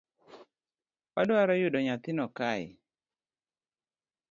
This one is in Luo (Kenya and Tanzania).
Wadwaro yudo nyathino kae